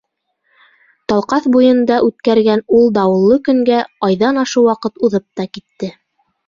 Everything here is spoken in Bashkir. Талҡаҫ буйында үткәргән ул дауыллы көнгә айҙан ашыу ваҡыт уҙып та китте.